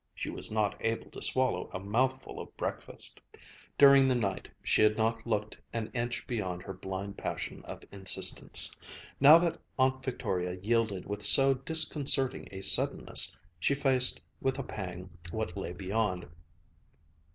She was not able to swallow a mouthful of breakfast. During the night, she had not looked an inch beyond her blind passion of insistence. Now that Aunt Victoria yielded with so disconcerting a suddenness, she faced with a pang what lay beyond.